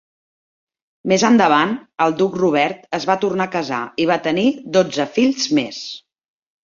Més endavant, el duc Robert es va tornar a casar i va tenir dotze fills més.